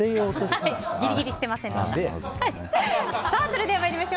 ギリギリ捨てませんでした。